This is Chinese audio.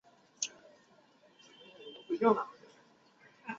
模式种是宝城韩国龙。